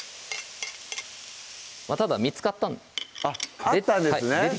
ただ見つかった出たんですね